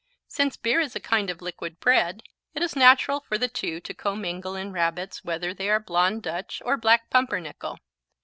Since beer is a kind of liquid bread, it is natural for the two to commingle in Rabbits whether they are blond Dutch or black pumpernickel.